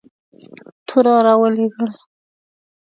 توره را ولېږل.